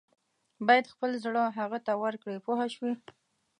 باید خپل زړه هغه ته ورکړې پوه شوې!.